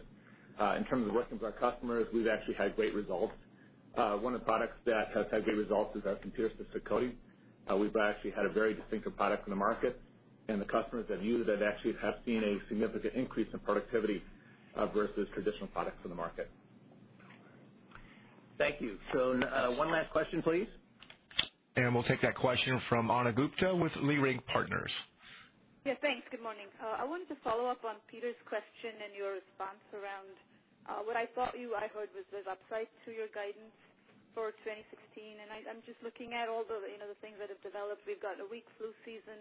X: In terms of working with our customers, we've actually had great results. One of the products that has had great results is our computer-assisted coding. We've actually had a very distinctive product in the market, and the customers that use it actually have seen a significant increase in productivity versus traditional products in the market.
B: Thank you. One last question, please.
A: We'll take that question from Ana Gupte with Leerink Partners.
Y: Yeah, thanks. Good morning. I wanted to follow up on Peter's question and your response around what I thought I heard was the upside to your guidance for 2016. I'm just looking at all the things that have developed. We've got a weak flu season.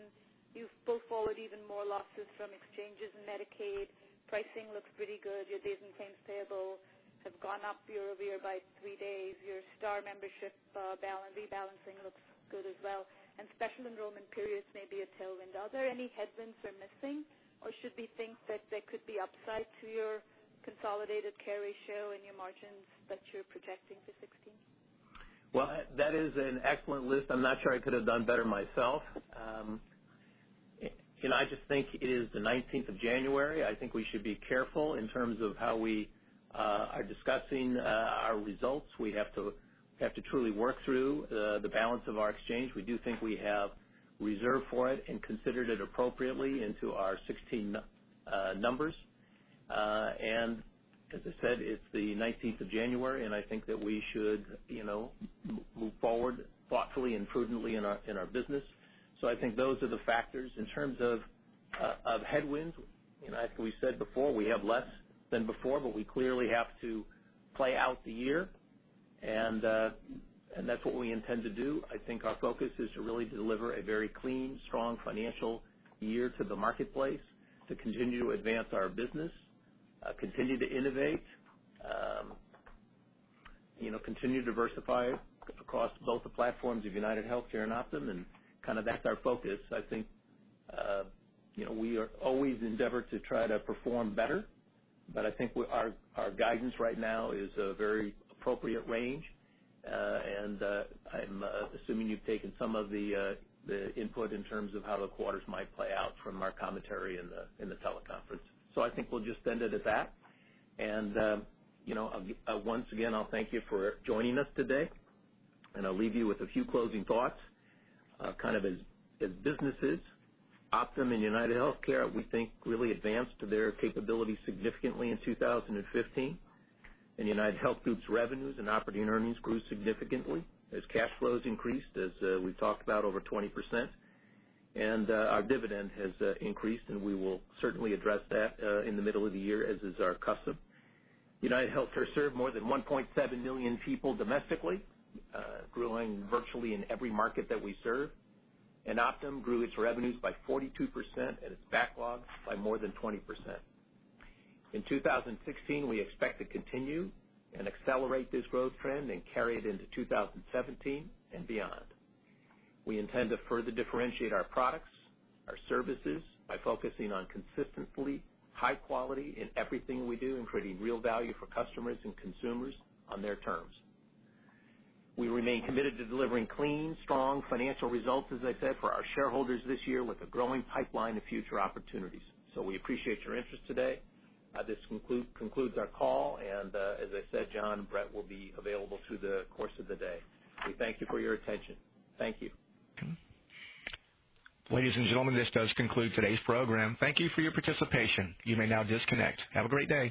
Y: You've pulled forward even more losses from exchanges in Medicaid. Pricing looks pretty good. Your days in claims payable have gone up year-over-year by three days. Your STAR membership rebalancing looks good as well, and special enrollment periods may be a tailwind. Are there any headwinds we're missing? Should we think that there could be upside to your consolidated care ratio in your margins that you're projecting for 2016?
B: Well, that is an excellent list. I'm not sure I could have done better myself. I just think it is the 19th of January. I think we should be careful in terms of how we are discussing our results. We have to truly work through the balance of our exchange. We do think we have reserved for it and considered it appropriately into our 2016 numbers. As I said, it's the 19th of January, and I think that we should move forward thoughtfully and prudently in our business. I think those are the factors. In terms of headwinds, as we said before, we have less than before, but we clearly have to play out the year. That's what we intend to do. I think our focus is to really deliver a very clean, strong financial year to the marketplace, to continue to advance our business, continue to innovate, continue to diversify across both the platforms of UnitedHealthcare and Optum, and that's our focus. I think we are always endeavored to try to perform better. I think our guidance right now is a very appropriate range. I'm assuming you've taken some of the input in terms of how the quarters might play out from our commentary in the teleconference. I think we'll just end it at that. Once again, I'll thank you for joining us today, and I'll leave you with a few closing thoughts. As businesses, Optum and UnitedHealthcare, we think, really advanced their capability significantly in 2015. UnitedHealth Group's revenues and operating earnings grew significantly as cash flows increased, as we've talked about, over 20%. Our dividend has increased. We will certainly address that in the middle of the year, as is our custom. UnitedHealthcare served more than 1.7 million people domestically, growing virtually in every market that we serve. Optum grew its revenues by 42% and its backlogs by more than 20%. In 2016, we expect to continue and accelerate this growth trend and carry it into 2017 and beyond. We intend to further differentiate our products, our services by focusing on consistently high quality in everything we do and creating real value for customers and consumers on their terms. We remain committed to delivering clean, strong financial results, as I said, for our shareholders this year with a growing pipeline of future opportunities. We appreciate your interest today. This concludes our call, and as I said, John and Brett will be available through the course of the day. We thank you for your attention. Thank you.
A: Ladies and gentlemen, this does conclude today's program. Thank you for your participation. You may now disconnect. Have a great day.